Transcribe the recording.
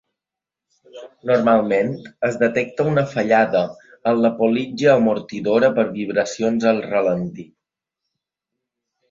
Normalment es detecta una fallada en la politja amortidora per vibracions al ralentí.